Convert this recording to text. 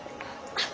あっ。